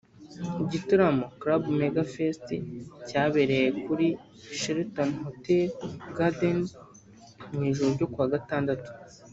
Igitaramo Club Mega Fest cyabereye kuri Sheraton Hotel Gardens mu ijoro ryo kuwa Gatandatu